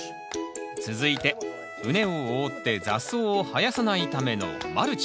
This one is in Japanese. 続いて畝を覆って雑草を生やさないためのマルチ。